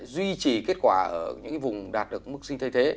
duy trì kết quả ở những vùng đạt được mức sinh thay thế